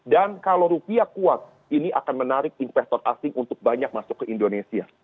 dan kalau rupiah kuat ini akan menarik investor asing untuk banyak masuk ke indonesia